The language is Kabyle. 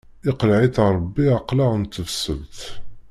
Iqleɛ-itt Ṛebbi aqlaɛ n tebṣelt.